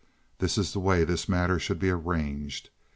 That is the way this matter should be arranged.